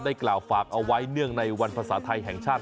กล่าวฝากเอาไว้เนื่องในวันภาษาไทยแห่งชาติ